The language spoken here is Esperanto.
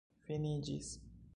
finiĝis